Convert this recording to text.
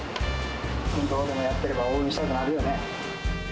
運動でもやってれば応援したくなるよね。